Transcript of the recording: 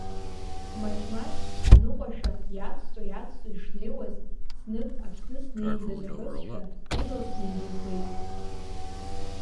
Маҷ-маҷ аныҟәашәа иацҵо-иацҵо ишнеиуаз, знык Аԥсны снеиндаз аҳәозшәа ирласны идәықәлеит.